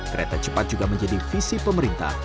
kereta cepat juga menjadi visi pemerintah